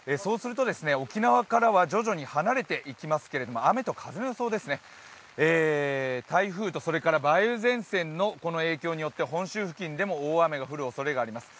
沖縄からは徐々に離れていきますが雨と風の予想ですね、台風と梅雨前線の影響によって本州付近でも大雨が降るおそれがあります。